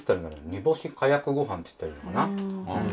煮干し加薬ご飯っつったらいいのかな。